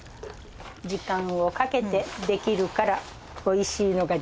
時間をかけて出来るからおいしいのが出来る。